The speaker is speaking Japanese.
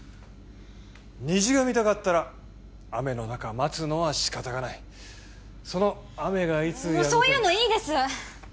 虹が見たかったら雨の中待つのは仕方がないその雨がいつやむかはもうそういうのいいです